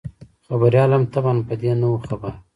خبریال هم طبعاً په دې نه وو خبر.